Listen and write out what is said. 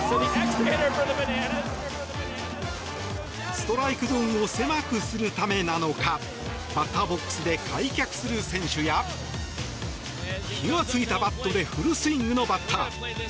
ストライクゾーンを狭くするためなのかバッターボックスで開脚する選手や火がついたバットでフルスイングのバッター。